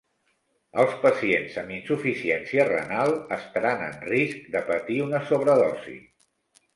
Els pacients amb insuficiència renal estaran en risc de patir una sobredosi.